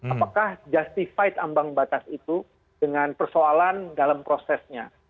apakah justified ambang batas itu dengan persoalan dalam prosesnya